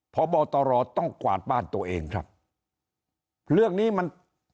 พบตรต้องกวาดบ้านตัวเองครับเรื่องนี้มัน